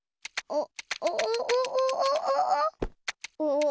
あっ！